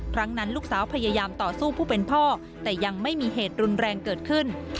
ครั้งนั้นลูกสาวพยายามต่อสู้ผู้เป็นพ่อแต่ยังไม่มีเหตุรุนแรงเกิดขึ้น